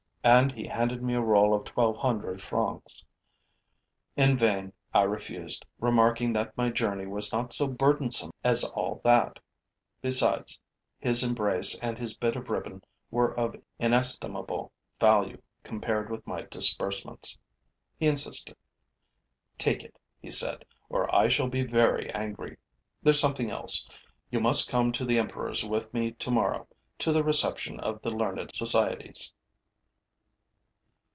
And he handed me a roll of twelve hundred francs. In vain I refused, remarking that my journey was not so burdensome as all that; besides, his embrace and his bit of ribbon were of inestimable value compared with my disbursements. He insisted: 'Take it,' he said, 'or I shall be very angry. There's something else: you must come to the emperor's with me tomorrow, to the reception of the learned societies.'